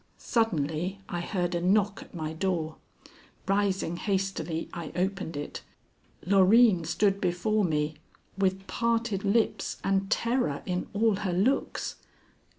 Suddenly I heard a knock at my door. Rising hastily, I opened it. Loreen stood before me, with parted lips and terror in all her looks.